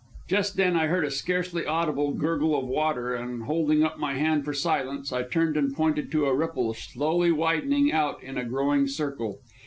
Just then I heard a scarcely audible gurgle of water, and holding up my hand for silence, I turned and pointed to a ripple slowly widening out in a growing circle.